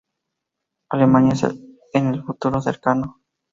Alemania en el futuro cercano.